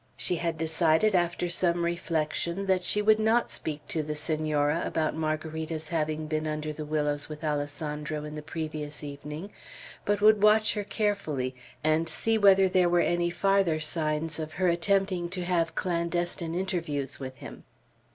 She had decided, after some reflection, that she would not speak to the Senora about Margarita's having been under the willows with Alessandro in the previous evening, but would watch her carefully and see whether there were any farther signs of her attempting to have clandestine interviews with him.